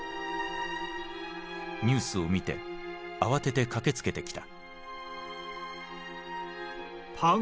ニュースを見て慌てて駆けつけてきた。